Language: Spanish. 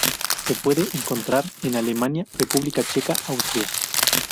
Se puede encontrar en Alemania, República Checa, Austria.